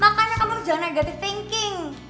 makanya kamu harus jalan negative thinking